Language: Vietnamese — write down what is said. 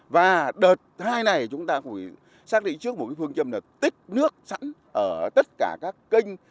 và đợt hai này chúng ta phải xác định trước một phương châm là tích nước sẵn ở tất cả các kênh